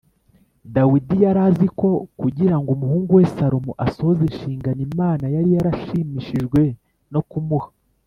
dawidi yari azi ko kugira ngo umuhungu we salomo asohoze inshingano imana yari yarashimishijwe no kumuha,